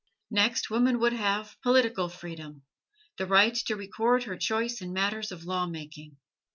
Next, woman would have political freedom: the right to record her choice in matters of lawmaking.